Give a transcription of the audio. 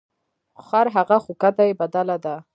خر هغه خو کته یې بدله ده.